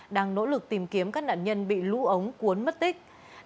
đang nỗ lực tìm kiếm các nạn nhân bị lũ ống cuốn mất tích